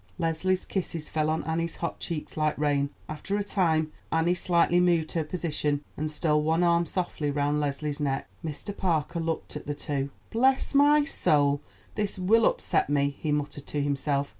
Leslie's kisses fell on Annie's hot cheeks like rain. After a time Annie slightly moved her position, and stole one arm softly round Leslie's neck. Mr. Parker looked at the two. "Bless my soul! this will upset me," he muttered to himself.